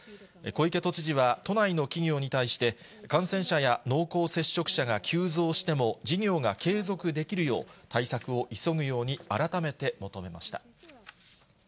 小池都知事は都内の企業に対して、感染者や濃厚接触者が急増しても事業が継続できるよう、対策を急ぐように改めて求めました。